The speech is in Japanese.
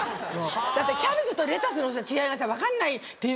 だってキャベツとレタスの違いが分かんないっていう。